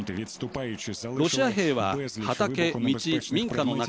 ロシア兵は畑、道、民家の中。